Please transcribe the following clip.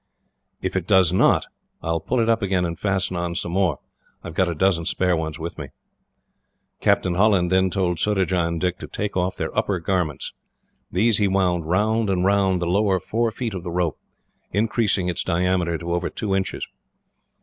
If it does not, I will pull it up again and fasten on some more. I have got a dozen spare ones with me." Captain Holland then told Surajah and Dick to take off their upper garments. These he wound round and round the lower four feet of the rope, increasing its diameter to over two inches.